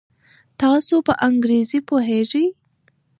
تاسو په انګریزي پوهیږئ؟